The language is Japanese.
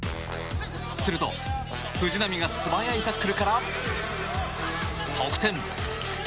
すると、藤波が素早いタックルから得点。